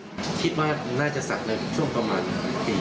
ก็คิดว่าน่าจะสักในช่วงประมาณปี